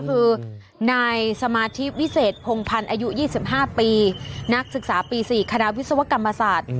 คือนายสมาธิวิเศษพงภัณฑ์อายุยี่สิบห้าปีนักศึกษาปีสี่คณะวิศวกรรมศาสตร์